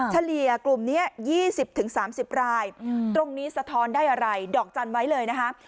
เฉลี่ยกลุ่มนี้๒๐๓๐รายตรงนี้สะท้อนได้อะไรดอกจันทร์ไว้เลยนะคะ